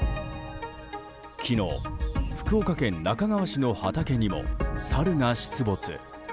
昨日、福岡県那珂川市の畑にもサルが出没。